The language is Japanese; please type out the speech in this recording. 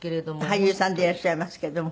俳優さんでいらっしゃいますけども。